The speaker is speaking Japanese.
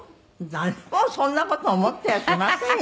「誰もそんな事思ってやしませんよ」